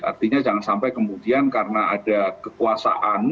artinya jangan sampai kemudian karena ada kekuasaan